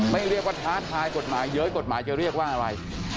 เรียกว่าท้าทายกฎหมายเย้ยกฎหมายจะเรียกว่าอะไร